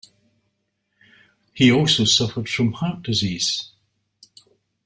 He also suffered from heart disease.